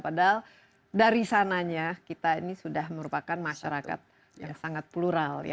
padahal dari sananya kita ini sudah merupakan masyarakat yang sangat plural ya